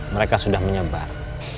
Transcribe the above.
mereka sudah menyebar